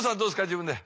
自分で。